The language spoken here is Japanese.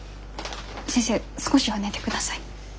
先生少しは寝てください。